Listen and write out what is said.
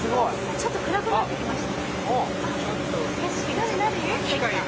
ちょっと暗くなってきました。